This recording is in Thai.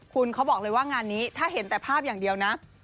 คุณเขาบอกเลยว่างานนี้ถ้าเห็นแต่ภาพอย่างเดียวนะ